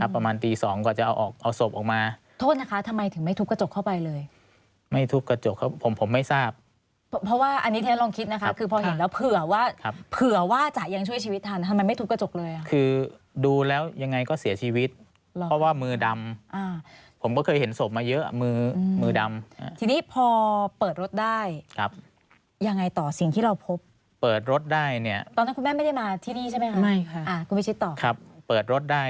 ประมาณตีสองก่อนจะเอาออกเอาศพออกมาโทษนะคะทำไมถึงไม่ทุบกระจกเข้าไปเลยไม่ทุบกระจกเข้าไปผมผมไม่ทราบเพราะว่าอันนี้ทีนั้นลองคิดนะคะคือพอเห็นแล้วเผื่อว่าเผื่อว่าจะยังช่วยชีวิตทันทำไมไม่ทุบกระจกเลยอ่ะคือดูแล้วยังไงก็เสียชีวิตเพราะว่ามือดำอ่าผมก็เคยเห็นศพมาเยอะอ่ะมือมือดำทีนี้พอเปิดรถได้